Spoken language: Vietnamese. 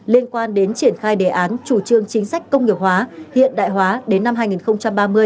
liên quan đến triển khai đề án chủ trương chính sách công nghiệp hóa hiện đại hóa đến năm hai nghìn ba mươi